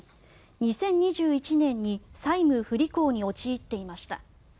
２０２１年に債務不履行に陥っていました。